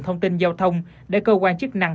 thông tin giao thông để cơ quan chức năng